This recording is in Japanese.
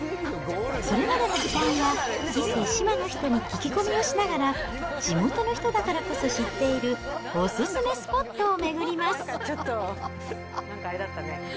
それまでの時間は伊勢志摩の人に聞き込みをしながら、地元の人だからこそ知っているお勧めスポットを巡ります。